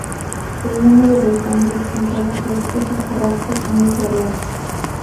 El número de estambres en cada flor es un carácter muy variable.